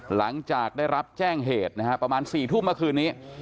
หลังจากได้รับแจ้งเหตุนะฮะประมาณ๔ทุ่มเมื่อคืนนี้